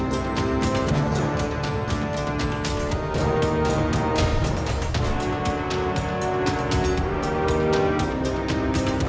ทุกคนจะเสีย